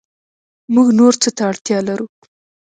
موږ نور څه ته اړتیا لرو